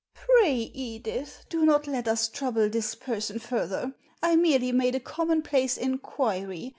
"Pray, Edith, do not let us trouble this person further. I merely made a commonplace inquiry.